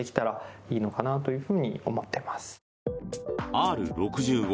Ｒ６５